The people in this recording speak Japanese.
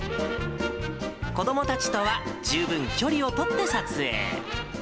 子どもたちとは十分距離を取って撮影。